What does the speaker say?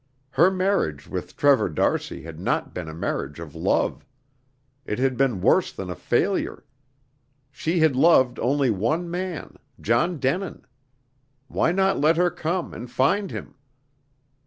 Her marriage with Trevor d'Arcy had not been a marriage of love. It had been worse than a failure. She had loved only one man, John Denin. Why not let her come and find him?